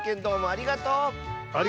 ありがとう！